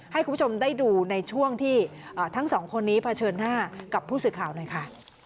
ให้คุณผู้ชมได้ดูในช่วงที่ทั้งสองคนนี้เผชิญหน้ากับผู้สื่อข่าวหน่อยค่ะ